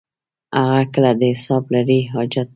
هغه کله د حساب لري حاجت.